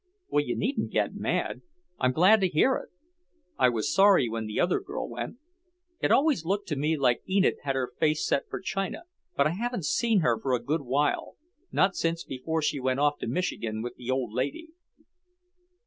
"Well, you needn't get mad. I'm glad to hear it. I was sorry when the other girl went. It always looked to me like Enid had her face set for China, but I haven't seen her for a good while, not since before she went off to Michigan with the old lady."